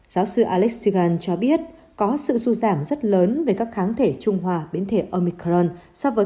giáo sư alex sagan cho biết có sự du giảm rất lớn về các kháng thể trung hòa biến thể omicron so với